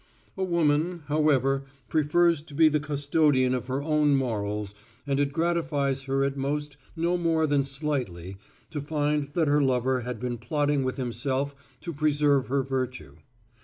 A woman, however, prefers to be the custodian of her own morals and it gratifies her at most no more than slightly to find that her lover has been plotting with himself to preserve her virtue.